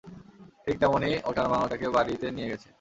ঠিক তেমনই, ওটার মা ওটাকে বাড়িতে নিয়ে গেছে।